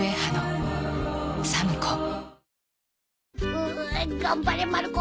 うう頑張れまる子。